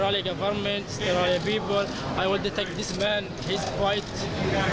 และผมจะรับลำบากให้พวกเขา